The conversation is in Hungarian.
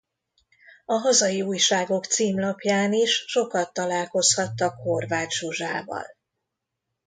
A hazai újságok címlapján is sokat találkozhattak Horváth Zsuzsával.